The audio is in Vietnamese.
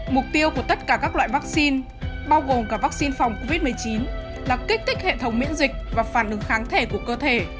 mục tiêu của tất cả các loại vắc xin bao gồm cả vắc xin phòng covid một mươi chín là kích thích hệ thống miễn dịch và phản ứng kháng thể của cơ thể